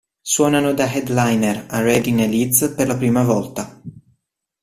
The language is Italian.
Suonano da "headliner" a Reading e Leeds per la prima volta.